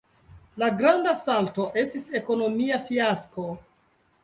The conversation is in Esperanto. La Granda Salto estis ekonomia fiasko.